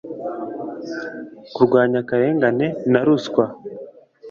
kurwanya akarengane na ruswa